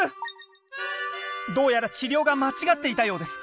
どうやら治療が間違っていたようです。